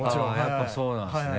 やっぱそうなんですね